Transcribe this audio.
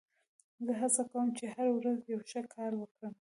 زه هڅه کوم، چي هره ورځ یو ښه کار وکم.